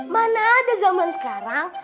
mana ada zaman sekarang